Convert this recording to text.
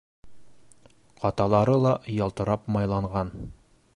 Ҡаталары ла ялтырап майланған.